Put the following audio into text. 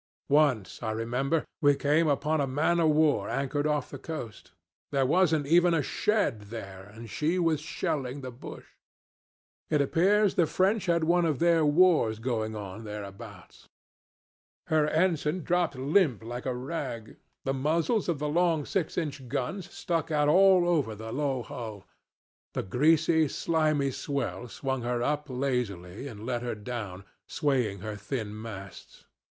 Once, I remember, we came upon a man of war anchored off the coast. There wasn't even a shed there, and she was shelling the bush. It appears the French had one of their wars going on thereabouts. Her ensign dropped limp like a rag; the muzzles of the long eight inch guns stuck out all over the low hull; the greasy, slimy swell swung her up lazily and let her down, swaying her thin masts.